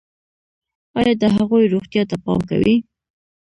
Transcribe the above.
ایا د هغوی روغتیا ته پام کوئ؟